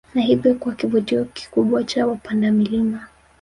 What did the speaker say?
Na hivyo kuwa kivutio kikubwa kwa wapanda milima